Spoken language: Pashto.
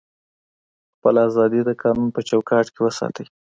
خپله ازادي د قانون په چوکاټ کي وساتئ.